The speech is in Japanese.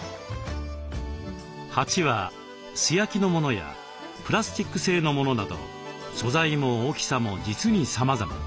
鉢は素焼きのものやプラスチック製のものなど素材も大きさも実にさまざま。